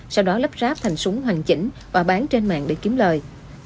sau đó lắp ráp thành súng hoàn chỉnh và bán trên mạng để kiếm lời